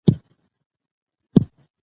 ټریپټان د شدید درد لپاره غوره دي.